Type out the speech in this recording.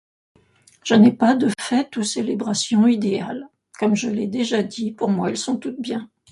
Je n'ai pas de fête, de célébration idéale. Comme je l'ai déjà dit, pour moi, elles sont toutes bien.